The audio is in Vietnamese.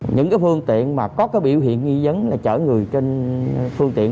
những phương tiện có biểu hiện nghi dấn là chở người trên phương tiện